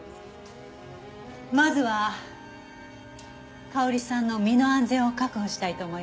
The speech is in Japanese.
まずは香織さんの身の安全を確保したいと思います。